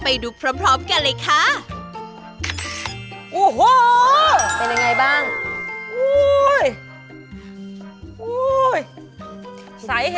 โอ้โหโอ้โหโอ้โห